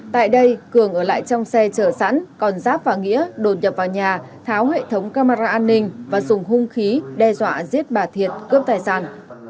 tại đây cường ở lại trong xe chở sẵn còn giáp và nghĩa đồn nhập vào nhà tháo hệ thống camera an ninh và dùng hung khí đe dọa giết bà thiện cướp tài sản